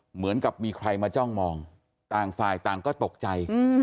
เหมือนกับมีใครมาจ้องมองต่างฝ่ายต่างก็ตกใจ